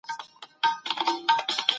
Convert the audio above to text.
فکري وده د ټولني فرهنګي غنا زياتوي.